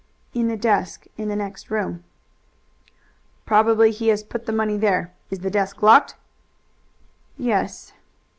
"In the desk in the next room." "Probably he has put the money there. Is the desk locked?" "Yes."